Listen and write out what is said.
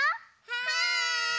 はい！